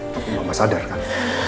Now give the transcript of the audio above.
tapi mama sadar kan